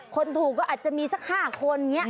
คนถูกก็อาจจะมีซัก๕คน